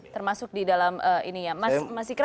termasuk di dalam ini ya